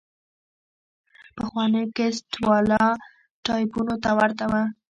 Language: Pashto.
پخوانيو کسټ والا ټايپونو ته ورته وه.